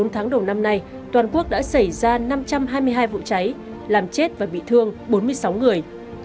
bốn tháng đầu năm nay toàn quốc đã xảy ra năm trăm hai mươi hai vụ cháy làm chết và bị thương bốn mươi sáu người